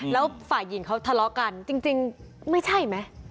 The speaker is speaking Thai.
แล้วฝ่ายหญิงเขาทะเลาะกันจริงไม่ใช่ไหม